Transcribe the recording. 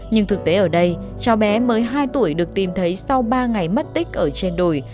nhưng thực tế ở đây cháu bé mới hai tuổi được tìm thấy sau ba ngày mất tích ở trên đồi